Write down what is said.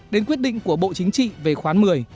đến quyết định của bộ chính trị về khoán một mươi